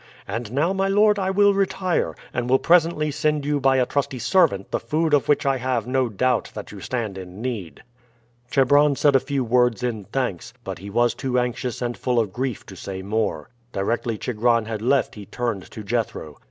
And now, my lord, I will retire, and will presently send you by a trusty servant the food of which I have no doubt that you stand in need." Chebron said a few words in thanks, but he was too anxious and full of grief to say more. Directly Chigron had left he turned to Jethro.